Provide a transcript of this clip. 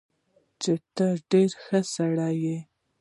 چې تۀ ډېر ښۀ سړے ئې